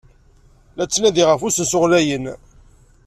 La ttnadiɣ ɣef usensu ɣlayen.